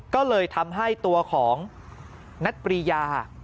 ก็เลยทำให้ตัวของนัทปรียา